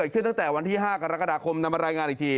เจ้าจะหวัดไม่เป็น